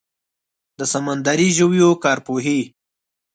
د سمندري ژویو کارپوهې